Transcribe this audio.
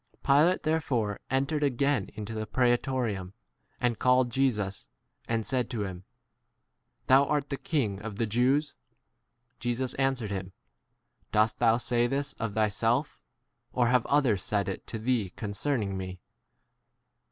Pilate therefore entered again into the prsetorium and called Jesus, and said to him, Thou* art the king of 34 the Jews ? Jesus answered him, Dost thou ' say this of thyself, or have others said it to thee con 35 cerning me